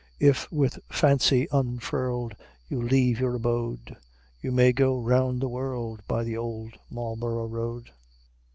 If with fancy unfurled You leave your abode, You may go round the world By the Old Marlborough Road.